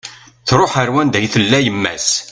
Truḥ ar wanda i tella yemma-s